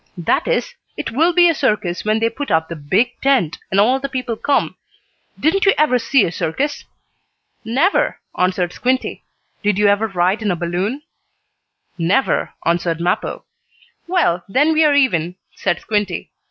"That is, it will be a circus when they put up the big tent, and all the people come. Didn't you ever see a circus?" "Never," answered Squinty. "Did you ever ride in a balloon?" "Never," answered Mappo. "Well, then we are even," said Squinty.